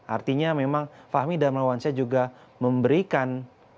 artinya memang fahmi dar mawansyah juga memberikan